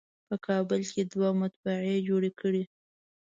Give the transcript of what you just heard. په کابل کې یې دوه مطبعې جوړې کړې.